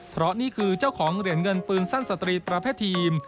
เพราะนี่คือเจ้าของเหรียญเงินปืนสั้นสตรีประเภททีม